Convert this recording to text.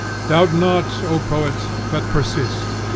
Doubt not, O poet, but persist.